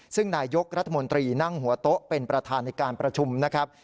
ซึ่งนายกรัฐมนตรีนั่งหัวโต๊ะเป็นประธานในการประชุมนะครับ